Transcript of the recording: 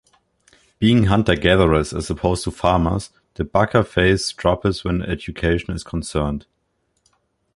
Being hunter-gatherers as opposed to farmers, the Baka face troubles when education is concerned.